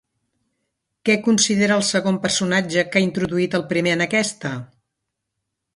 Què considera el segon personatge que ha introduït el primer en aquesta?